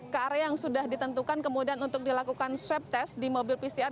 ke area yang sudah ditentukan kemudian untuk dilakukan swab test di mobil pcr